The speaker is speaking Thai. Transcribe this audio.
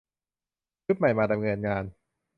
ชุดใหม่มาดำเนินงาน